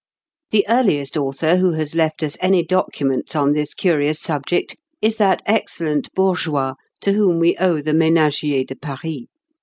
The earliest author who has left us any documents on this curious subject is that excellent bourgeois to whom we owe the "Ménagier de Paris."